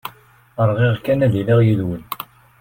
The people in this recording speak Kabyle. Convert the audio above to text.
Riɣ kan ad iliɣ yid-wen.